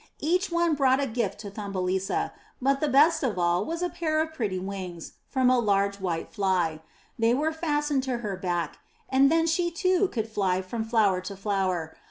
Each one brought a gift to Thumbelisa, but the best of all was a pair of pretty wings from a large, white fly; they were fastened on to her back, and then she too could fly from flower to flower.